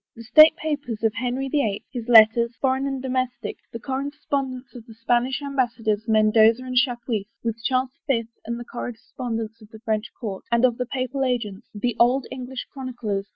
The State Papers of Henry the Eighth, his letters, foreign and domestic ; the correspondence of the Spanish ambassadors, Mendoza and Chapuis, with Charles the Fifth, and the corres pondence of the French court, and of the Papal agents, the old English chroniclers.